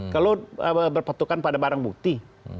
kalau berpatukan pada barang bukti